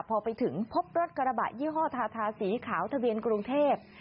พอไปถึงพบรถกระบะยี่ห้อทาทาสีขาวทะเบียนกรุงเทพ